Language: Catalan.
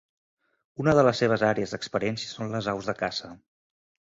Una de les seves àrees d'experiència són les aus de caça.